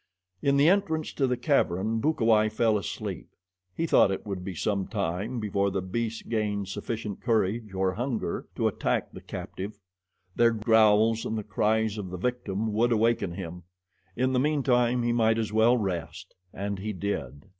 In the entrance to the cavern Bukawai fell asleep. He thought it would be some time before the beasts gained sufficient courage or hunger to attack the captive. Their growls and the cries of the victim would awaken him. In the meantime he might as well rest, and he did.